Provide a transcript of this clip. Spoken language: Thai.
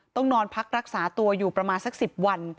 ต้องนอนพักรักษาตัวอยู่ประมาณสัก๑๐วัน